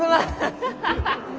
ハハハハ！